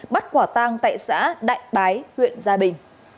bắt quả tang tại xã đại bái huyện gia bình